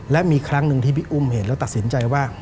และมีครั้งหนึ่งที่พี่อุ้มเห็นแล้วตัดสินใจว่า